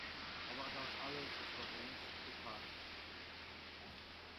Aber das alles ist doch längst bekannt!